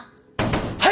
はい。